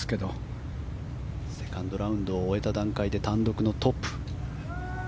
セカンドラウンドを終えた段階で単独のトップ。